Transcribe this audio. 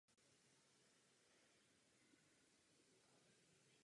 Další spojení bylo přerušeno.